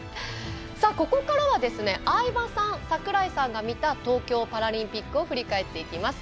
ここからは、相葉さん櫻井さんが見た東京パラリンピックを振り返っていきます。